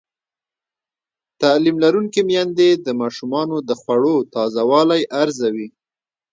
تعلیم لرونکې میندې د ماشومانو د خوړو تازه والی ارزوي.